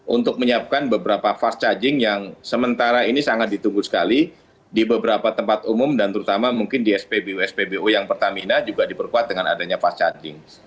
untuk menyiapkan beberapa fast charging yang sementara ini sangat ditunggu sekali di beberapa tempat umum dan terutama mungkin di spbu spbu yang pertamina juga diperkuat dengan adanya fast charging